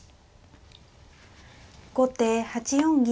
後手８四銀。